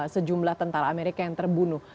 sejumlah tentara amerika yang terbunuh